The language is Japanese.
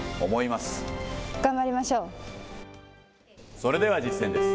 それでは実践です。